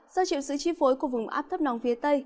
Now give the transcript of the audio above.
do triệu sử chi phối của vùng áp thấp nóng phía tây